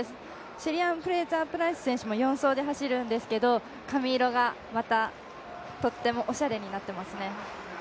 シェリーアン・フレイザープライス選手も４走で走るんですけど髪色がまたとってもおしゃれになってますね。